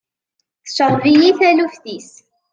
Tceɣɣeb-iyi taluft-is.